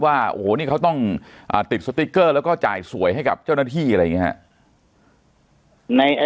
ว่าโอ้โหนี่เขาต้องติดสติ๊กเกอร์แล้วก็จ่ายสวยให้กับเจ้าหน้าที่อะไรอย่างนี้ครับ